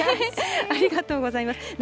ありがとうございます。